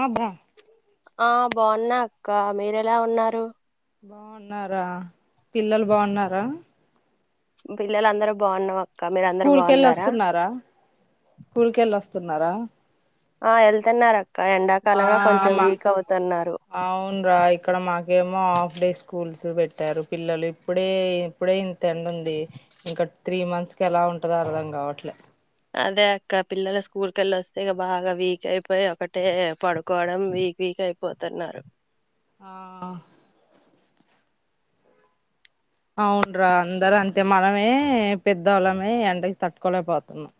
ఆబ్రా ఆ బాగున్నా అక్క మీరెలా ఉన్నారు బాగున్నారా పిల్లలు బాగున్నారా పిల్లలుందరుూ బాగున్నం స్కూల్ కెళ్ళి వస్తున్నారా స్కూల్ కెళ్ళ వస్తు చెస్తున్నారా ఆ ఎల్తన్నా అర ఎండాకాలంగా కొంచెం మా వీక్ అవుతున్నారు ఇంకేమో హాఫ్ డే స్కూల్స్ పెట్టారు పిల్లలు ఇప్పుడే ఇప్పుడే ఇంత ఎండ ఉంది ఇంకా త్రీ మంత్స్ కి ఎలా ఉంటందో అర్ధం కావట్లే అదే అక్క పిల్లల స్కూల్ కెళ్ళి వస్తే ఇక బాగా వీక్ అయిపోయి ఒకటే పడుకోవడం వీక్ వీక్ అయిపోతున్నారు ఆ అవునురా అందరు అంతే మనమే పెద్దోవాళ్ళమే ఎండకి తట్టుకోలేకపోతున్నాం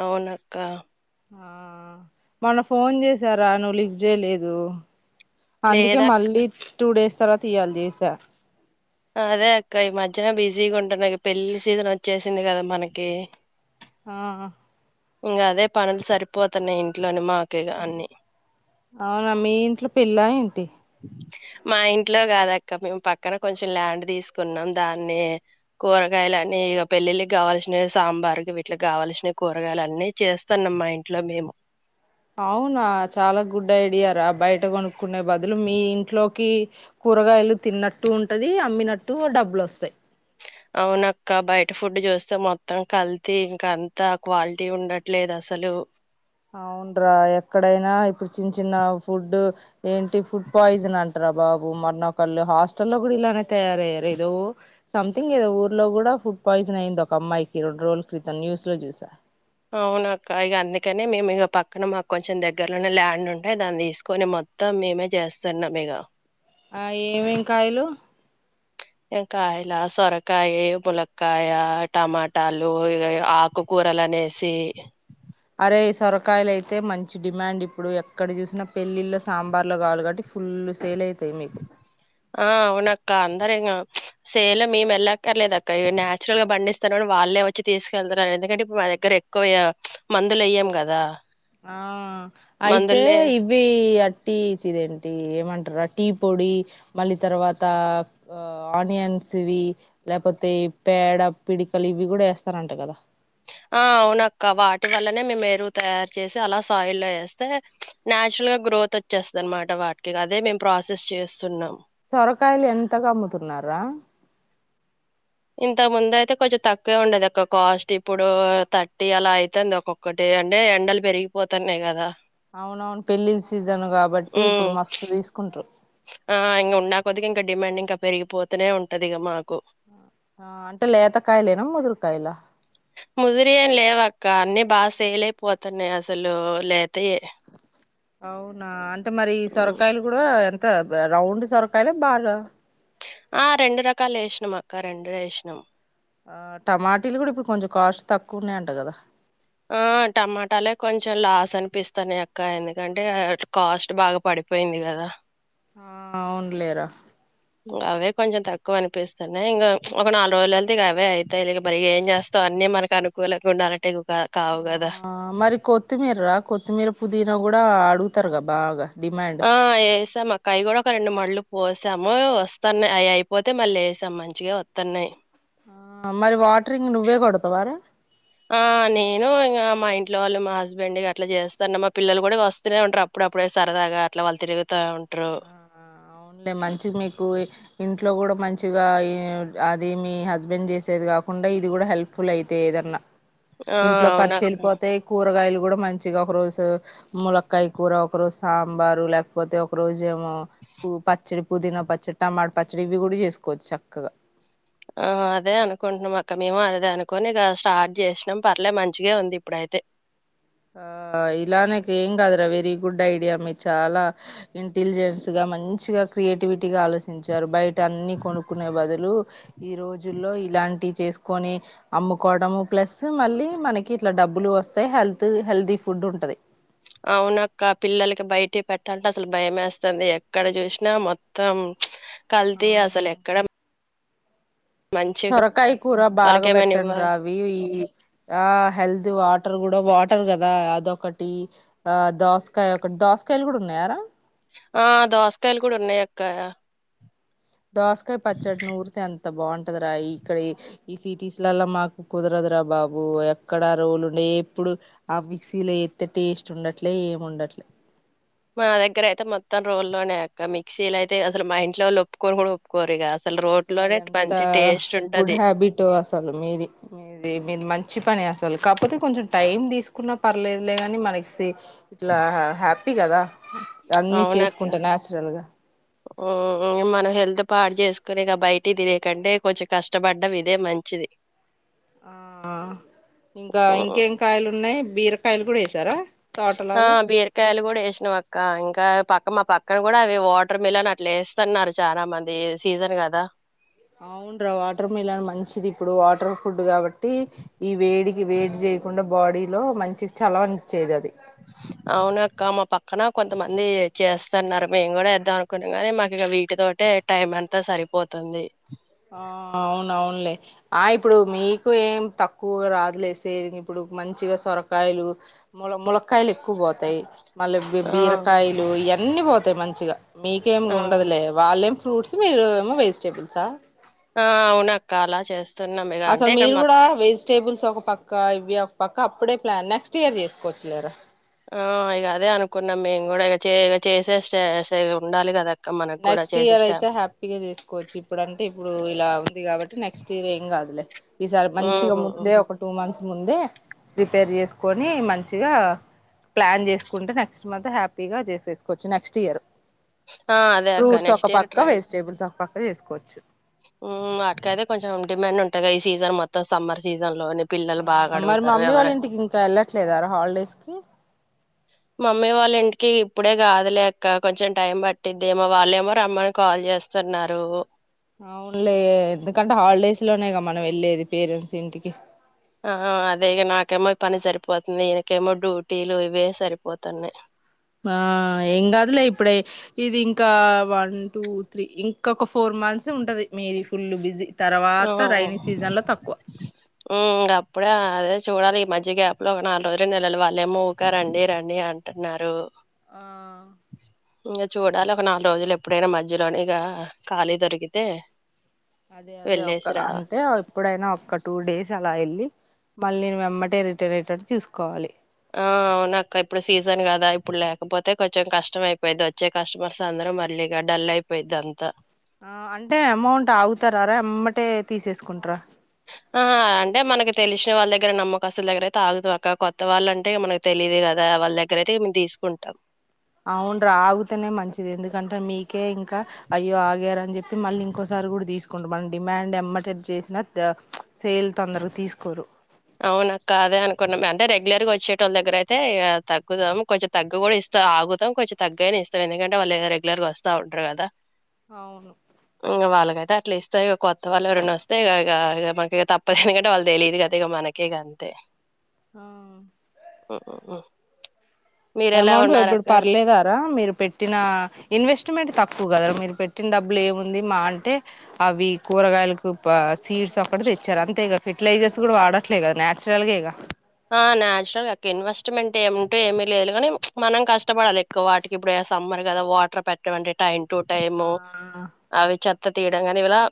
అవునక్క ఆ మొన్న ఫోన్ చేసారా నువ్వు లిఫ్ట్ చేయలేదు అందుకే లేదక్క మళ్ళీ టుడేస్ తర్వాత ఇయ్యాల చేశా అదే అక్క ఈ మధ్యన బిజీగా ఉంటున్నా పెళ్లి సీజన్ వచ్చేసింది కదా మనకి ఆ ఇంకా అదే పనులు సరిపోతున్నాయి ఇంట్లోని మాకు అన్ని అవునా మీ ఇంట్లో పెళ్లా ఏంటి మా ఇంట్లో కాదక్క మేము పక్కన కొంచెం ల్యాండ్ తీసుకున్నాం దాన్ని కూరగాయలని ఇక పెళ్ళిళ్ళకి కావాల్సినవి సాంబార్కి వీటికి కావాల్సినవి కూ రగాయలు అన్నీ చేస్తాన్నాం మా ఇంట్లో మేము అవునా చాలా గుడ్ ఐడియా రా బయట కొనుక్కునే బదులు మీ ఇంట్లోకి కూరగాయలు తిన్నట్టు ఉంటది అమ్మినట్టు డబ్బులు వస్తాయి అవును అక్క బయట ఫుడ్ చూస్తే మొత్తం కల్తీ ఇంక అంత క్వాలిటీ ఉండట్లేదు అసలు అవునురా ఎక్కడైనా ఇప్పుడు చిన్న చిన్న ఫుడ్ ఏంటి ఫుడ్ పాయిజన్ అంటార బాబు మరన్నొకళ్ళు హాస్టల్ లో కూడా ఇలానే తయారయ్యారు ఏదో సంథింగ్ ఏదో ఊర్లో కూడా ఫుడ్ పాయిజన్ అయిింది ఒక అమ్మాయికి రెండు రోజుల క్రితం న్యూస్ లో చూసా అవునాక్క ఇక అందుకని మేము ఇక పక్కన మాకు కొంచెం దగ్గరలోనే ల్యాండ్ ఉంటాయి దాన్ని తీసుకొని మొత్తం మేమే చేస్తున్నాం ఇక ఆ ఏం ఏమేం కాయలు ఏంకాయలా సొరకాయ ములకాయ టమాటాలు ఇ ఆకుకూరలు ఆనేేసి అరే సొరకాయలు అయితే మంచి డిమాండ్ ఇప్పుడు ఎక్కడ చూసినా పెళ్ళిళ్ళు సాంబార్లో కావాలి కాబట్టి ఫుల్ సేల్ అయితాయి మీకు ఆ అవును అక్క అందరూ ఇంగ సేలు మేము వెళ్ళక్కర్లేదుక్క ఇ నేయాచురల్ గా పండిస్తారుని వాళ్ళే వచ్చి తీసుకెళ్తన్నారు ఎందుకంటే ఇప్పుడు మా దగ్గర ఎక్కువ మందులు ఎయ్యాం కదా ఆ అయితే మందులే ఇవి అట్టిచ్చదేంటి ఏమంటారు అ టీ పొడి మళ్ళీ తర్వాత ఆనియన్స్ ఇవి లేకపోతే పేడ పిడికలు ఇవి కూడా వేస్తరంట కదా ఆ అవును అక్క వాటి వల్లనే మేము ఎరువు తయారు చేసి అలా సాయిల్లో వేస్తే నచురల్ గా గ్రోత్ వచ్చేస్తు అనమాట వాటికి అదే మేము ప్రాసెస్ చేస్తున్నాము సొరకాయలు ఎంతగా అమ్ముతున్నారా ఇంత ముందు అయితే కొంచెం తక్కువే ఉండది ఒక కాస్ట్ ఇప్పుడు థర్టీ అలా అయితుంది ఒక్కొక్కటి అంటే ఎండలు పెరిగిపోతున్నాయి కదా అవునవును పెళ్ళిళ్ సీజను కాబట్టి ఇప్పుడు ఉమ్ మస్తు తీసుకుంటారు ఆ ఇంకా ఉన్నా కొది గా ఇంకా డిమాండ్ ఇంకా పెరిగిపోతనే ఉంటది ఇగ మాకు ఆ అంటే లేత కాయలేనా ముదురుకాయలా ముదిరి ఏమి లేవక్క అన్నీ బాగా సేలైపోతున్నాయి అసలు లేతే అవునా అం టే మరి ఈ హ్మ్. సొరకాయలు కూడా ఎం తా రౌండ్ సోరకాయల బాగా ఆ రెండు రకాలు వేసినం అక్క రెండు వేసినాం ఆ టమాటీలు కూడా ఇప్పుడు కొంచెం కాస్ట్ తక్కువ ఉన్నాయంట కదా ఆ టమాటాలే కొంచెం లాస్ అనిపిస్తాన్నాయి అక్క ఎందుకంటే అ కాస్ట్ బాగా పడిపోయింది కదా ఆ అవునులేరా అవే కొంచెం తక్కువ అనిపిస్తున్నాయి ఇంగా ఒక నాలుగు రోజులతే అవే అవుతాయి ఇక మరి ఏం చేస్తావు అన్నీ మనకి అనుకూలంగా ఉండాలట్టే కా కావు గదా! ఆ మరి కొత్తిమీర రా కొత్తిమీర పుదిన కూడా అడుగుతారు కదా బాగా డిమాండ్ ఆ ఏసాం అక్క అవి కూడా ఒక రెండు మళ్ళు పోస్ సాము వస్తన్నాయి అవి అయిపోతే మళ్ళీ ఏసాం మంచిగా వస్తున్నాయి మరి వాట్ ఆ నేను ఇంగ మా ఇన్ ట్లో వాళ్ళు మా హస్బెండ్ అట్లా చేస్తన్న మా పిల్లలు కూడా వస్తూనే ఉంటారు అప్పుడప్పుడ సరదా అలా వాళ్ళు తిరుగుతూ ఉంటారు ఆ అవునులే మంచి మీకు ఇంట్లో కూడా మంచిగా అది మీ హస్బెండ్ చేసేది కాకుండా ఇది కూడా హెల్ప్ఫుల్ అయితే ఏదన్నా ఆ ఇంట్లో ఖర్చు అవునక్క వెళ్ళిపోతాయి కూరగాయలు కూడా మంచిగా ఒక రోజు ములక్కయ కూర ఒక రోజు సాంబారు లేకపోతే ఒక రోజు ఏమో పూ పచ్చడి పుదీనా పచ్చడి టమాట పచ్చడి ఇవి కూడా చేసుకోవచ్చు చక్కగా ఆ అదే అనుకుంటున్నాం అక్క మేము అదే అనుకొని ఇక స్టార్ట్ చేసినాం పర్లే మంచిగ ఉంది ఇప్పుడైతే ఆ ఇలానేకీం హంగ్ద్ర వెర గుడ్ ఐడియా మి చాలా ఇంటిల్జెన్స్ గ మంచిగ క్రియేటివిటీగా ఆలోచించారు బయటన్నీ కొనుక్కున్నే బదులు ఈ రోజుల్లో ఇలాంటి చేసుకొని అమ్ముకోవడము ప్లస్ మళ్ళీ మనకి ఇట్లా డబ్బులు వస్తాయి హెల్త్ హెల్దీ ఫుడ్ ఉంటది అవునక్క పిల్లలకి బయట పెట్టాలంటే అసలు భయేస్తాంది ఎక్కడ చూసినా మొత్తం కల్తీ ఆ అసలు ఎక్కడ మంచిగా సొరకాయ కూర వాళ్ళకేమైనా ఇవ్వ బాగాబెట్టను రావి ఈ ఆ హెల్త్ వా వాటర్ కూడా వాటర్ కదా అదొకటి ఆ దోసకాయ ఒకటి దోసకాయలు కూడా ఉన్నాయారా ఆ దోసకాయలు కూడా ఉన్నాయి అక్కా దోసకాయ పచ్చడిని ఊరితే అంత బాగుంటదిరా ఇక్కడ ఈ సిటీస్లలో మాకు కుదరదురా బాబు ఎక్కడ రోల్ ఉండే ఎప్పుడు ఆ మిక్సీలో ఏతే టేస్ట్ ఉండట్లే ఏమి ఉండట్లే మా దగ్గర అయితే మొత్తం రోల్లోనే అక్క మిక్సీలో అయితే అసలు మా ఇంట్లో వాళ్ళ ఒప్పుకొని కూడా ఒప్పుకోరుగా అస ఎంతా గుడ్ హ్యాబిట్ అసలు మీది మీది మీది మంచి పని అస లు కాకపోతే కొంచెం టైం తీసుకున్న పర్లేదులే కానీ మనకి ఇట్లా హ్యాపీ కదా అన్ని అవునక్క చేసుకుంటా నాచురల్ గా ఉం మనం హెల్త్ పాడు చేసుకుని ఇక బయటి తినకంటే కొంచెం కష్టపడ్డం ఇదే మంచిది ఆ ఇంకా ఉమ్. ఇంకేంకాయలు ఉన్నాయి బీరకాయలు కూడా వేసారా ఆ తోటలాగా బీరకాయలు కూడా ఏశినవక్క ఇంకా ఆ పక్క మా పక్కన కూడా అవి వాటర్ మిలన్ అట్లేస్తున్నారు చానా మంది సీజన్ కదా అవున్ రా వాటర్ మిలాన్ మంచిది ఇప్పుడు వాటర్ ఫుడ్ కాబట్టి ట్టి ఈ వేడికి వేడి చేయకుండా బాడీ లో మంచి చలవని ఇచ్చేది అది అవున అక్క మా పక్కన కొంతమంది చేస్తన్నారు మేము కూడా చేద్దాం అనుకున్నాం ని మాకు ఇక వీటి తోటె టైం అంతా సరిపోతుంది ఆ అవునవునులే ఆ ఇప్పుడు మీకు ఏం తక్కువ రాదులే సేల్ ఇప్పుడు మంచిగా సొరకాయలు ముల ములక్కయలు ఎక్కు క్కువ పోతాయి మళ్ళీ బీ ఆ బీరకాయలు ఇయన్నీ పోతా తే మంచిగా మీకేమి ఆ ఉండదులే వాల్లేం ఫ్రూట్స్ మీరు ఏమో వెజిటేబుల్సా ఆ అవున అక్క అలా చేస్తా అసలు మీరు గూడా వెజిటేబుల్స్ ఒక పక్క ఇవి ఒక పక్క అప్పుడే ప్లాన్ నెక్స్ట్ ఇయర్ చేసుకోచ్చులేరా ఆ ఇగ అదే అనుకున్నాం మేము కూడా ఇక ఇ చే చేసే ఉండాలి కదా అక్క మనకు కూడా నెక్స్ట్ చేసే ఇయర్ స్టా అయితే హ్యాపీగా చేసుకోవచ్చు ఇప్పుడుంటే ఇప్పుడు ఇలా ఉంది కాబట్టి నెక్స్ట్ ఇయర్ ఏం కాదులే ఈసారి మంచిగా మ్మ్ ముందే ఒక టూ మంత్స్ ముందే రిపేర్ చేసుకొని మంచిగా ప్లాన్ చేసుకుంటే నెక్స్ట్ మంత్ హ్యాపీగా చేసేసుకోవచ్చు నెక్స్ట్ ఇయర్ ఆ అదే అక్క ఫ్రూట్స్ ఒక నెక్స్ట్ పక్క వెజిటేబుల్స్ ఒక పక్క వేసుకోవచ్చు ఉం వాటికైతే కొంచెం డిమాండ్ ఉంటా క ఈ సీజన్ మొత్తం సమ్మర్ సీజన్ లో మరి మా మమ్మీ వాళ్ళ ఇంటికి ఇంకా వెళ్ళట్లేదార హాలిడేస్ కి మమ్మీ వాళ్ళ ఇంటికి ఇప్పుడే కాదులేక్క కొంచెం టైం పట్టిద్దేమో వాళ్ళేమో రమ్మని కాల్ చేస్తున్నారు ఇలానేగా మనం వెళ్ళేది పేరెంట్స్ ఇంటికి ఆ అదేగా నాకేమో పని సరిపోతుంది ఈయనకేమో డ్యూటీలు ఇవే సరిపోతున్నాయి ఆ ఏం కాదులే ఇప్పుడే ఇది ఇంకా వన్ టూ త్రీ ఇంకొక ఫోర్ మంత్స్ ఉంటది మీది ఫుల్ బిజీ ఆ తర్వాత రైైనీ సీజన్ లో తక్కువ ఉమ్ అప్పుడే అదే చూడాలి ఈ మధ్య గ్యాప్లో ఒక నాలుగు రోజులు నెలలు వాళ్ళేమ ఊక రండి రండి అంటున్నారు ఆ ఇంక చూడాలి ఒక నాలుగు రోజులు ఎప్పుడైనా మధ్యలోనే ఇక ఖాళీ దొరికితే అదే అదే ఒక్క వెళ్ళేసిరా అంటే ఎప్పుడైనా ఒక్క టూ డేస్ అలా వెళ్ళి మళ్ళీ నేను వెమ్మటే రిటర్న్ అయ్యేటట్టు తీసుకోవాలి ఆ అవునక్క ఇప్పుడు సీజన్ కదా ఇప్పుడు లేకపోతే కొంచెం కష్టం అయిపోయిద్ది వచ్చే కస్టమర్స్ అందరూ మళ్ళీ ఇగా డల్ అయిపోయిద్ది అంతా ఆ అంటే అమౌంట్ ఆగుతారారా వెమ్మటే తీసేసుకుంటార ఆ అంటే మనకి తెలిసిన వాళ్ళ దగ్గర నమ్మకస్తుల దగ్గర అయితే ఆగుతది అక్క కొత్త వాళ్ళ అంటే మనకు తెలియదు కదా వాళ్ళ దగ్గర అయితే మేము తీసుకుంటాం అవును రా ఆగితేనే మంచిది ఎందుకంటే మీకే ఇంకా అయ్యో ఆగారుని చెప్పి మళ్ళీ ఇంకోసారి కూడా తీసుకుంటారు మన డిమాండ్ వెమ్మటే చేసినా సేల్ తొందరగా తీసుకోరు అవునక్క అదే అనుకున్నాం అంటే రెగ్యులర్గా వచ్చేటోళ్ల దగ్గర అయితే తగ్గుతాం కొంచెం తగ్గు కూడా ఇస్త ఆగుతాం కొంచెం తగ్గగానే ఇస్తాం ఎందుకంటే వాళ్ళు రెగ్యులర్గా వస్తా ఉంటారు కదా అవును అ అట్లా ఇస్తా ఇక కొత్త వాళ్ళు ఎవరైనా వస్తే ఇక మ ఇక తప్పదనికంటే వాళ్ళ తెలియదు కదా ఇగ మనకే గ అంతే ఆ ఆ అమౌంట్ ఇప్పుడు పర్లేదారా మీరు పెట్టిన ఇన్వెస్ట్ మంటి తక్కువ కదా మీరు పెట్టిన డబ్బులు ఏముంది మహా అంటే అవి కూరగాయలకు సీడ్స్ అక్కడ తెచ్చారు అంతే ఇక ఫెర్టిలైజర్స్ కూడా వాడట్లే కదా నేచురల్గా ఇక ఆ నేచురల్ గా ఇన్వెస్ట్మెంట్ ఏమింటే ఏమి లేదు గానీ మనం కష్టపడాలి ఎక్కువ వాటికి ఇప్పుడు సమ్మర్ కదా వాటర్ పెట్టే టైం టు టైమ్ ఆ అవి చెప్ప త్త తీయడం కాని ఇలా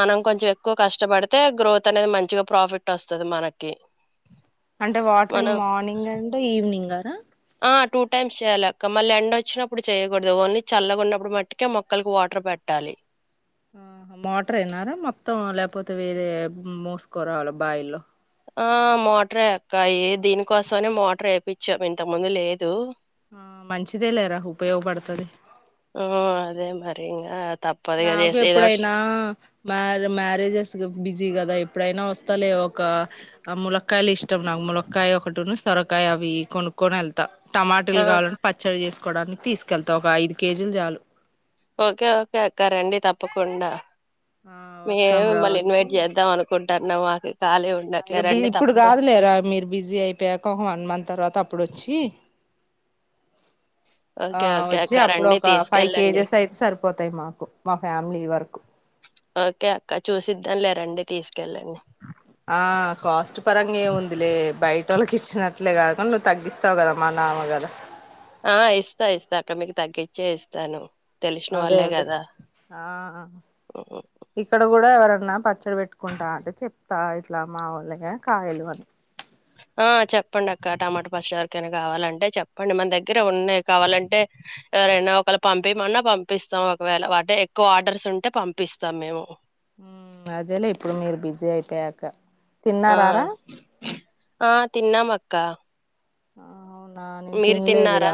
మనం కొంచెం ఎక్కువ కష్టపడితే గ్రోత్ అనేది మంచిగా ప్రాఫిట్ వస్తుంది మనకి అంటే వాటరింగ్ మనం మార్నింగ్ అంటే ఈవినింగ్ హ ఆ టూ టైమ్స్ చెయాలి అక్క మళ్ళీ ఎండ వచ్చినప్పుడు చెయ్యకూడదు ఓన్లీ చల్లగా ఉన్నప్పుడు మట్టుకే మొక్కలకి వాటర్ పెట్టాలి ఆ మోటర్ అయిన్నారా మొత్తం లేకపోతే వేరే మోసుకోరావాల బాయిల్లో ఆ మోటార్ ఏ అక్కాయి దీనికోసమనే మోటార్ వేపిచ్చాం ఇంత ముందు లేదు ఆ మంచిదే లేరా ఉపయోగపడుతది ఆ అదే మరీ ఇంక నాకు ఎప్పుడైనా మ్య మ్యారేజ్ బిజీ కదా ఎప్పుడైనా వస్తాలే ఒక ములక్కయలు ఇష్టం నాకు ములక్కాయ ఒకటి సొరకాయ అవి కొనుక్కొని వెళ్తాను టమాటలు ఆ కావాలని పచ్చడి చేసుకు కోడానికి తీసుకెళ్తా ఒక ఐదు కేజీలు జాలు ఓకే ఓకే అక్క రండి తప్పకుండా ఆ మే వస్తాం మిమ్మల్ని ఇన్వైట్ చేద్దాం అనుకుంటా తన్నవ ఇ ఇప్పుడు కాదులేరా మీరు బిజీ అయిపోయాక ఒక వన్ మంత్ తర్వాత అప్పుడ వచ్చి ఆ ఓకే ఓకే వచ్చి అక్క అప్పుడు రండి ఒక ఫైవ్ తీసుకెళ్ళండి కేజెస్ అయితే సరిపోతాయి మాకు మా ఫ్యామిలీ వరకు కెళ్ళండి ఆ తనకిచ్చినట్లే కాద నువ్వు తగ్గిస్తావు కదా మా నామ గదా ఆ ఇస్తా ఇస్తా అక్క మీకు తగ్గిచ్చే ఇస్తాను తెలిసిన అదే వాళ్ళే అదే కదా ఆ ఉహు. ఇక్కడ కూ కూడా ఎవరన్నా పచ్చడి పెట్టుకుంటా అంటే చెప్తా ఇట్లా మా వాళ్లే కాయలు అని ఆ చెప్పండి అక్క టమాటో పచ్చడ ఎవరకైనా కావాలంటే చెప్పండి మన దగ్గర ఉన్నాయి కావాలంటే ఎవరైనా ఒకరు పంపయమన్నా పంపిస్తాం ఒకవేళ వాళ్ళ కు ఎక్కువ ఆర్డర్స్ ఉంటే పంపిస్తాం మేము ఉమ్ అదేలే ఇప్పుడు మీరు బిజీ అయిపోయాక ఆ తిన్నారారా ఆ తిన్నాము అక్క ఆ అవునా నేన్ మీరు తిన్నారా తిన్లేదురా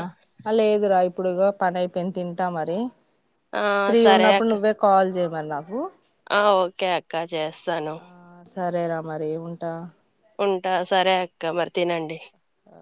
ఆ లేదు రా ఇ ఇప్పుడు గో పని ఐపోయింది తింటా మరి ఆ ఫ్రీ సరే ఉన్నప్పుడు అక్క నువ్వే కాల్ చెయ్ వాళ్ల హు ఆ ఓకే అక్క చేస్తాను ఆ సరేరా మరి ఉంటా ఉంటా సరే అక్క మరి తినండి ఆ